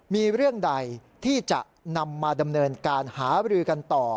มีเรื่องใดที่จะนำมาดำเนินการหาบรือกันต่อ